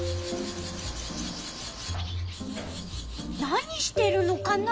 何してるのかな？